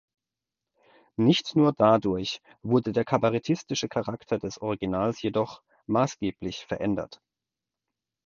Nicht nur dadurch wurde der kabarettistische Charakter des Originals jedoch maßgeblich verändert.